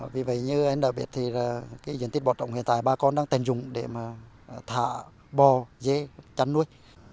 vì vậy như anh đã biết diện tích bỏ trống hiện tại bà con đang tên dùng để thả bò dế chăn nuôi